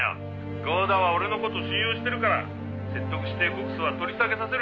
郷田は俺の事を信用してるから説得して告訴は取り下げさせる」